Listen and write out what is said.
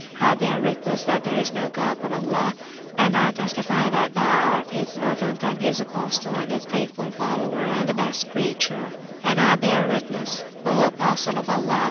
I bear Witness that there is no god but the God (Allah), and I testify that Thou art His Servant, and His Apostle, and His Faithful Follower, and Best Creature. And I bear Witness, O Apostle of Allah!